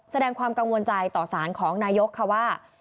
แสดงความกังวลใจต่อสารของนายกค่ะว่า